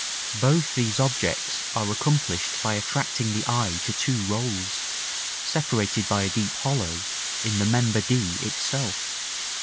Both these objects are accomplished by attracting the eye to two rolls, separated by a deep hollow, in the member d itself.